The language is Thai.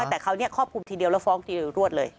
แต่คราวนี้ครอบคลุมทีเดียวแล้วฟ้องทีเดียวรวดเลย